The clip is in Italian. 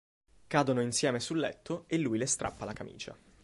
Cadono insieme sul letto e lui le strappa la camicia.